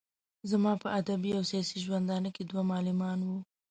زما په ادبي او سياسي ژوندانه کې دوه معلمان وو.